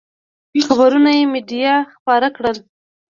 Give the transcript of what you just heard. خبرونه یې مېډیا خپاره کړل.